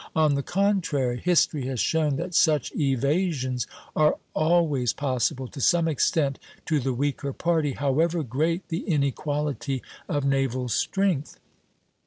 On the contrary, history has shown that such evasions are always possible, to some extent, to the weaker party, however great the inequality of naval strength.